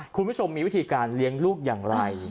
คุณผู้ชมมีวิธีการเลี้ยงลูกอย่างไร